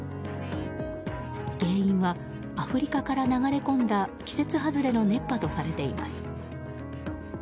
原因は、アフリカから流れ込んだ季節外れの熱波とされています。